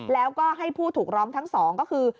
แล้วก็ให้ผู้ถูกร้องทั้งสองก็คือ